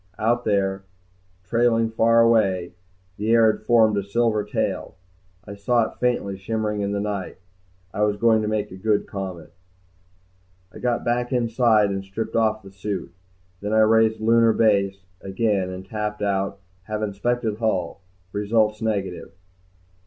Out there, trailing far away, the air had formed a silver tail, I saw it faintly shimmering in the night. I was going to make a good comet. I got back inside and stripped off the suit. Then I raised Lunar Base again and tapped out, HAVE INSPECTED HULL. RESULTS NEGATIVE.